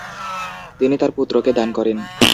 তিনি তার পুত্রকে দান করেন।